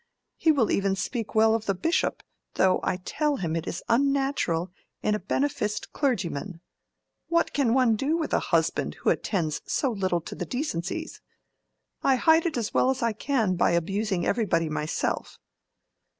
He will even speak well of the bishop, though I tell him it is unnatural in a beneficed clergyman; what can one do with a husband who attends so little to the decencies? I hide it as well as I can by abusing everybody myself.